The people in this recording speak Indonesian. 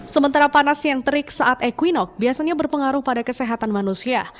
sementara panas yang terik saat equinok biasanya berpengaruh pada kesehatan manusia